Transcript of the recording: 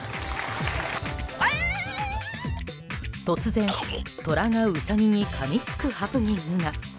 突然、トラがウサギにかみつくハプニングが。